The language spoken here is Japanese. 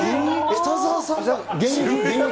北澤さんが？